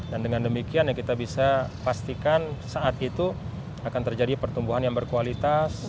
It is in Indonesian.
dan dengan demikian yang kita bisa pastikan saat itu akan terjadi pertumbuhan yang berkualitas